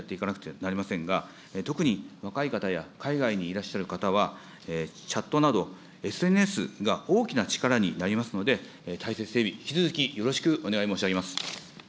これもしっかりやっていかなければなりませんが、特に若い方や海外にいらっしゃる方は、チャットなどＳＮＳが大きな力になりますので、体制整備、引き続きよろしくお願い申し上げます。